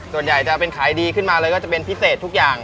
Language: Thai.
ส่วนใหญ่จะเป็นขายดีขึ้นมาเลยก็จะเป็นพิเศษทุกอย่าง